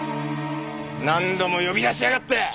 何度も呼び出しやがって！